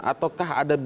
apakah ada beda